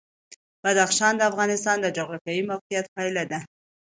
بدخشان د افغانستان د جغرافیایي موقیعت پایله ده.